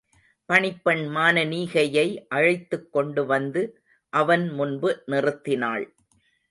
பணிப்பெண் மானனீகையை அழைத்துக்கொண்டு வந்து அவன் முன்பு நிறுத்தினாள்.